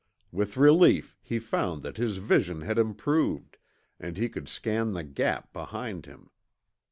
With relief he found that his vision had improved, and he could scan the Gap behind him.